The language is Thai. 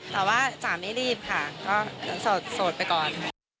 แต่ว่าจ๋าไม่รีบค่ะก็โสดไปก่อน